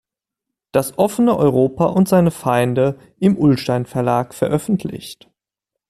Das offene Europa und seine Feinde" im Ullstein-Verlag veröffentlicht.